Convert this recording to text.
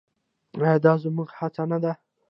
آیا دا زموږ هڅه نه ده؟